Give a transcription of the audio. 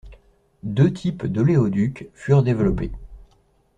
Deux types d'oléoduc furent développés.